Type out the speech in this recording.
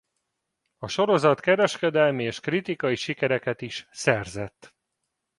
A sorozat kereskedelmi és kritikai sikereket is szerzett.